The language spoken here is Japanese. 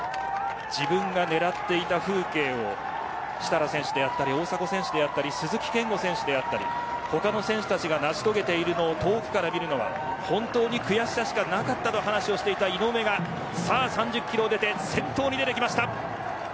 自分が狙っていた風景を設楽選手であったり大迫選手であったり鈴木健吾選手であったり他の選手が成し遂げているのを遠くから見るのは悔しさしかなかったと話していた井上が先頭に出てきました。